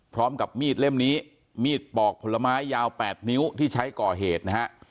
พร้อมกับมีดเล่มนี้มีดปอกผลไม้ยาว๘นิ้วที่ใช้ก่อเหตุนะฮะ